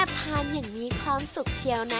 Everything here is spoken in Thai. ทานอย่างมีความสุขเชียวนะ